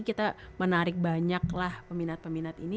kita menarik banyak lah peminat peminat ini